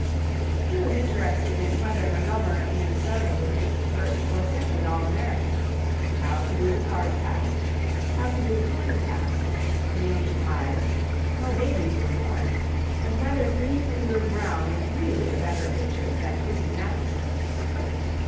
He was interested in whether McGovern of Minnesota would make the first or second All American, how to do the card pass, how to do the coin pass, chameleon ties, how babies were born, and whether Three fingered Brown was really a better pitcher than Christie Mathewson.